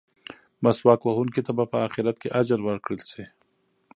مسواک وهونکي ته به په اخرت کې اجر ورکړل شي.